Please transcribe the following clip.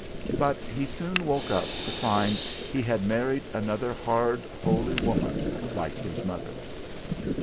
But he soon woke up to find he had married another hard holy woman like his mother.